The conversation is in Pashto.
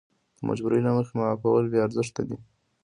د مجبورۍ له مخې معافول بې ارزښته دي.